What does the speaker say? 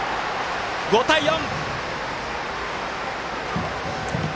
５対４！